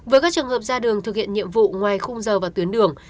với các trường hợp ra đường thực hiện nhiệm vụ ngoài khung giờ và tuyến đường